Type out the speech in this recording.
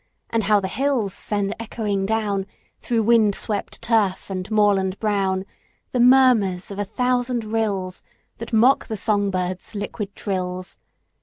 And how the hills send echoing down, Through wind swept turf and moorland brown, The murmurs of a thousand rills That mock the song birds' liquid trills!